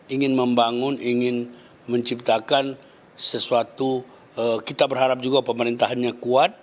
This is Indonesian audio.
ingin membangun ingin menciptakan sesuatu kita berharap juga pemerintahannya kuat